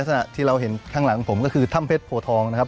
ขณะที่เราเห็นข้างหลังผมก็คือถ้ำเพชรโพทองนะครับ